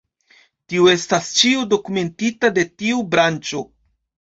Tio estas ĉio dokumentita de tiu branĉo.